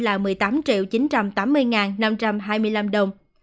là một mươi tám chín trăm tám mươi năm trăm hai mươi năm đồng